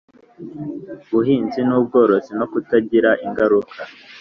Buhinzi n ubworozi no kutagira ingaruka